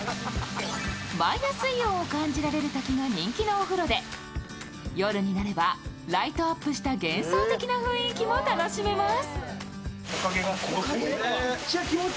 マイナスイオンを感じられる滝が人気のお風呂で、夜になればライトアップした幻想的な雰囲気も楽しめます。